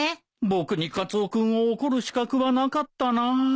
僕にカツオ君を怒る資格はなかったな。